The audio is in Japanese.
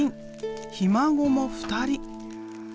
ひ孫も２人。